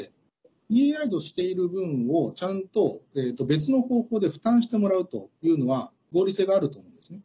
フリーライドしている分をちゃんと別の方法で負担してもらうというのは合理性があると思いますね。